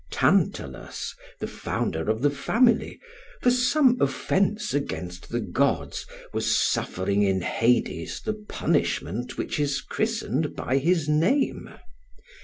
Tantalus, the founder of the family, for some offence against the gods, was suffering in Hades the punishment which is christened by his name.